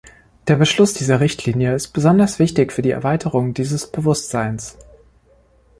Der Beschluss dieser Richtlinie ist besonders wichtig für die Erweiterung dieses Bewusstseins.